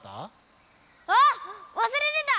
あっわすれてた！